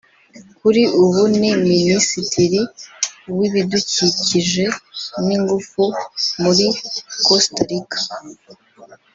kuri ubu ni Minisitiri w’ibidukikije n’ingufu muri Costa Rica